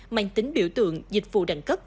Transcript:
mạnh tính biểu tượng dịch vụ đẳng cấp